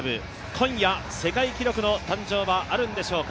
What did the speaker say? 今夜、世界記録の誕生はあるんでしょうか。